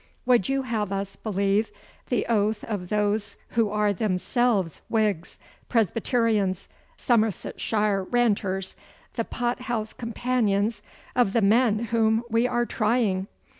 Would you have us believe the oath of those who are themselves Whigs, Presbyterians, Somersetshire ranters, the pothouse companions of the men whom we are trying?